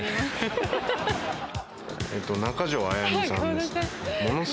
中条あやみさんです。